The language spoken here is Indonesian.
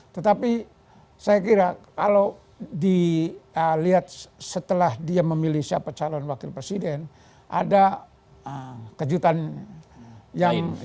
tetapi saya kira kalau dilihat setelah dia memilih siapa calon wakil presiden ada kejutan yang